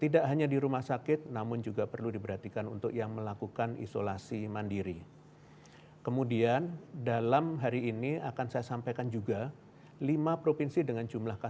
dari fabrian republika dan